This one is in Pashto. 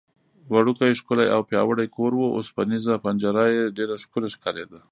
وړوکی، ښکلی او پیاوړی کور و، اوسپنېزه پنجره یې ډېره ښکلې ښکارېده.